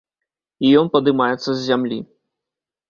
І ён падымаецца з зямлі.